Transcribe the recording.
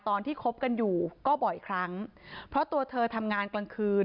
คบกันอยู่ก็บ่อยครั้งเพราะตัวเธอทำงานกลางคืน